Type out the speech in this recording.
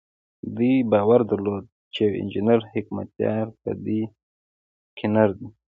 دوی باور درلود چې يو انجنير حکمتیار په دوی کې نر دی.